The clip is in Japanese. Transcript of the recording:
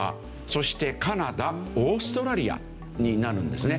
そしてカナダオーストラリアになるんですね。